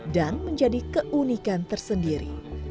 dan menjadi keunikan tersendiri